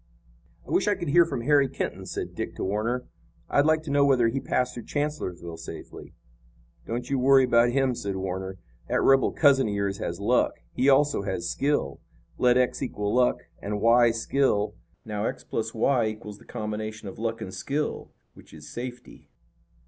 "I wish I could hear from Harry Kenton," said Dick to Warner. "I'd like to know whether he passed through Chancellorsville safely." "Don't you worry about him," said Warner. "That rebel cousin of yours has luck. He also has skill. Let x equal luck and y skill. Now x plus y equals the combination of luck and skill, which is safety.